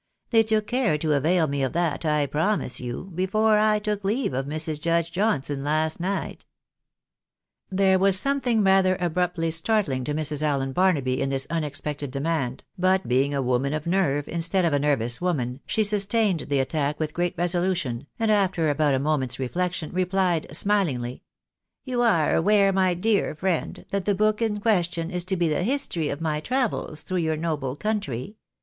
They took care to avail me of that, I promise you, before I took leave of iMrs. Judge Johnson last night." There was something rather abruptly startling to Mrs. Allen Barnaby in this unexpected demand, but being a woman of nerve, instead of a nervous woman, she sustained the attack with great resolution, and after about a moment's reflection, replied, smihngly, " You are aware, my dear friend, that the book in question is to be the history of my travels through your noble country.